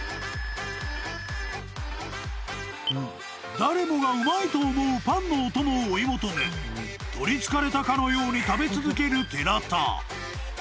［誰もがうまいと思うパンのお供を追い求め取りつかれたかのように食べ続ける寺田］